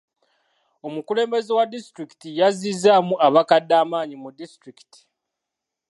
Omukulembeze wa disitulikiti yazizzaamu abakadde amaanyi mu disitulikiti.